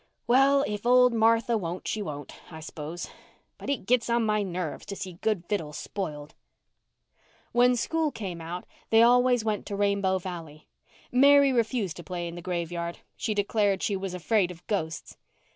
Well, if old Martha won't, she won't, I s'pose. But it gits on my nerves to see good vittles spoiled." When school came out they always went to Rainbow Valley. Mary refused to play in the graveyard. She declared she was afraid of ghosts.